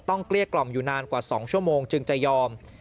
เกลี้ยกล่อมอยู่นานกว่า๒ชั่วโมงจึงจะยอม